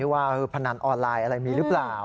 ว่าพนันออนไลน์อะไรมีหรือเปล่า